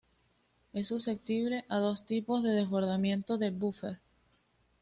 Es susceptible a dos tipos de desbordamiento de buffer.